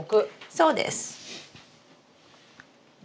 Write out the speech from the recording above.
そうです。